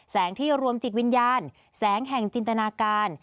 ที่รวมจิตวิญญาณแสงแห่งจินตนาการ